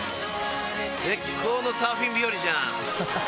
絶好のサーフィン日和じゃん。